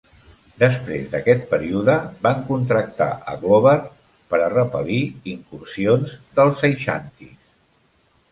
Després d'aquest període van contractar a Glover per a repel·lir incursions dels aixantis.